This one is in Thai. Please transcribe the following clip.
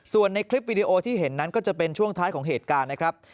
ส่วนในคลิปวิดีโอที่เห็นนั้นก็จะเป็นช่วงท้ายของเหตุการณ์นะครับ